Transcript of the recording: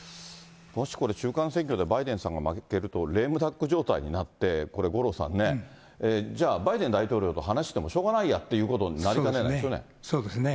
もしこれ、中間選挙でバイデンさんが負けるとレームダック状態になって、これ五郎さんね、じゃあ、バイデン大統領と話してもしょうがないやってことにもなりかねなそうですね。